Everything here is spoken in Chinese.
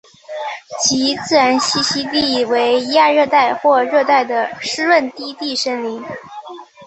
其自然栖息地为亚热带或热带的湿润低地森林。